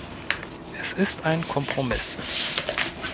Es ist ein Kompromiss.